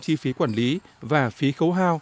chi phí quản lý và phí khấu hao